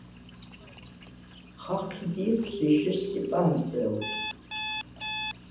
ხაჴიდ ჲეხვს ი ჟესსიპა̄ნ წელდ.